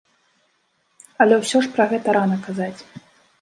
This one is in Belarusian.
Але ўсё ж пра гэта рана казаць.